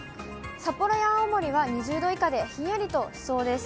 札幌や青森は２０度以下で、ひんやりとしそうです。